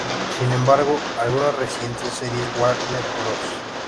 Sin embargo, algunas recientes series Warner Bros.